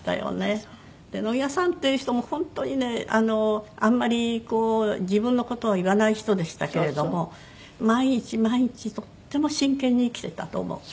野際さんっていう人も本当にねあんまりこう自分の事を言わない人でしたけれども毎日毎日とっても真剣に生きてたと思う。